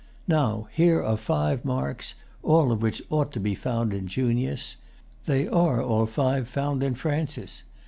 Now, here are five marks, all of which ought to be found in Junius. They are all five found in Francis.